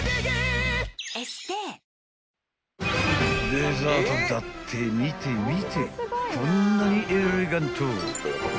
［デザートだって見て見てこんなにエレガント］